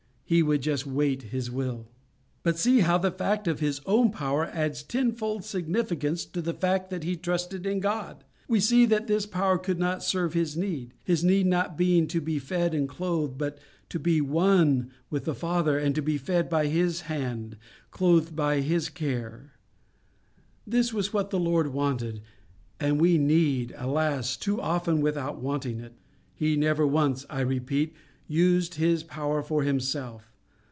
He would just wait His will. "But see how the fact of His own power adds tenfold significance to the fact that He trusted in God. We see that this power would not serve His need—His need not being to be fed and clothed, but to be one with the Father, to be fed by His hand, clothed by His care. This was what the Lord wanted—and we need, alas! too often without wanting it. He never once, I repeat, used His power for Himself.